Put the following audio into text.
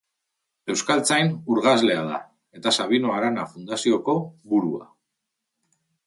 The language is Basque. Euskaltzain urgazlea da, eta Sabino Arana Fundazioko burua.